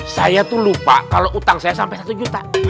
saya tuh lupa kalau utang saya sampai satu juta